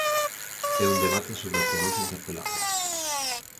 É un debate sobre o que nós interpelamos.